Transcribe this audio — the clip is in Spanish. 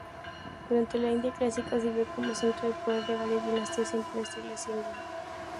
Durante la India clásica, sirvió como centro de poder de varias dinastías imperiales indias.